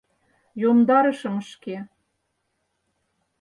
Йомдарышым шке.